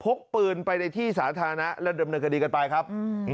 พกปืนไปในที่สาธารณะและดำเนินคดีกันไปครับ